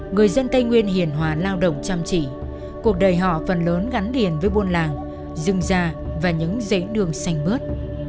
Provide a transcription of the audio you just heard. người dân tây nguyên hiển hòa lao động chăm chỉ cuộc đời họ phần lớn gắn điền với buôn làng rừng ra và những dãy đường xanh mướt